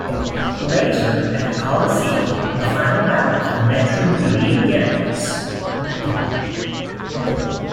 Later, at the Coliseum, the final battle for Metru Nui begins.